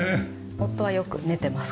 夫はよく寝てます